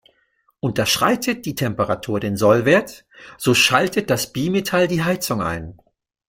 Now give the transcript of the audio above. Unterschreitet die Temperatur den Sollwert, so schaltet das Bimetall die Heizung ein.